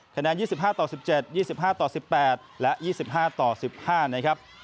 คะแนน๒๕๑๗๒๕๑๘และ๒๕๑๕นะครับ